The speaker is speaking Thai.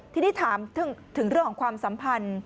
ทีนี้ถามถึงเรื่องของความสัมพันธ์